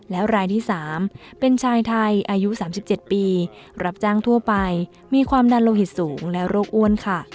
แล้วรายที่๓เป็นชายไทยอายุ๓๗ปีรับจ้างทั่วไปมีความดันโลหิตสูงและโรคอ้วนค่ะ